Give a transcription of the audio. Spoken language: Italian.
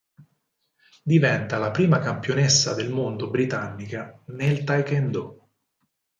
Diventa la prima campionessa del Mondo Britannica nel Taekwondo.